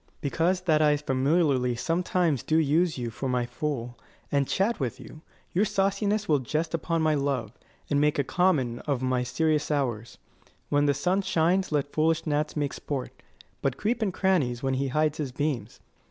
25 Ant. S. Because that I familiarly sometimes Do use you for my fool, and chat with you, Your sauciness will jest upon my love, And make a common of my serious hours. When the sun shines let foolish gnats make sport, 30 But creep in crannies when he hides his beams.